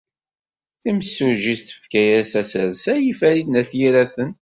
Timsujjit tefka-as asersay i Farid n At Yiraten.